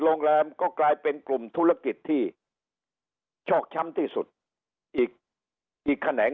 โรงแรมก็กลายเป็นกลุ่มธุรกิจที่ชอกช้ำที่สุดอีกอีกแขนง